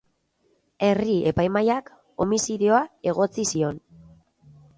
Herri-epaimahaiak homizidioa egotzi zion.